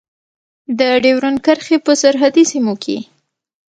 د ډیورند کرښې په سرحدي سیمو کې.